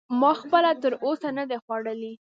ما خپله تر اوسه نه دی خوړلی.